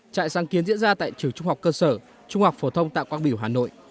trại sáng kiến diễn ra tại trường trung học cơ sở trung học phổ thông tại quang biểu hà nội